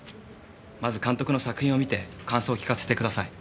まず監督の作品を観て感想を聞かせてください。